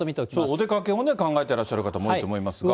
お出かけも考えてらっしゃる方も多いと思いますが。